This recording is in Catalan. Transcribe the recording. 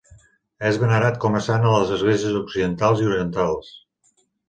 És venerat com a sant a les esglésies occidentals i orientals.